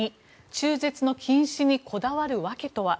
２中絶の禁止にこだわる訳とは。